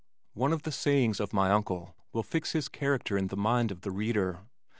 One of the sayings of my uncle will fix his character in the mind of the reader.